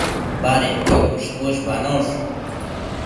Badedquio cuësh-cuëshbanosh